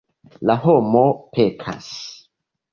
La homo pekas.